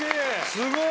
すごい